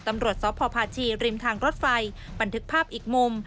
ตำรวจสพพาชีริมทางรถไฟบันทึกภาพอีกมุม